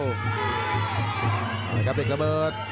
ครับเด็กกระเบิด